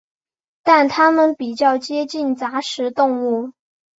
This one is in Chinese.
但它们比较接近杂食动物。